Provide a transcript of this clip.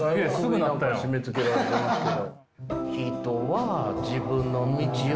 何か締めつけられてますけど。